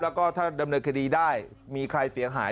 แล้วก็ถ้าดำเนินคดีได้มีใครเสียหาย